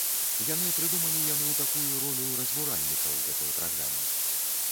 Яны прыдумалі яму такую ролю разбуральніка ў гэтай праграме.